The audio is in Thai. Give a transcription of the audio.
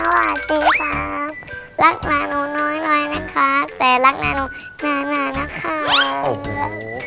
ครับรักนานูน้อยนะครับแต่รักนานูนานานะครับ